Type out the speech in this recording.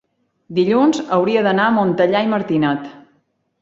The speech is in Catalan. dilluns hauria d'anar a Montellà i Martinet.